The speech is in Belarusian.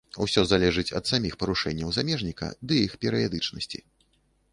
Усё залежыць ад саміх парушэнняў замежніка ды іх перыядычнасці.